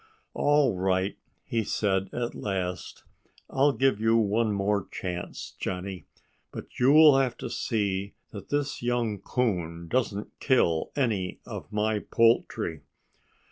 "All right!" he said at last. "I'll give you one more chance, Johnnie. But you'll have to see that this young coon doesn't kill any of my poultry."